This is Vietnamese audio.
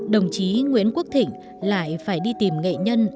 đồng chí nguyễn quốc thịnh lại phải đi tìm nghệ nhân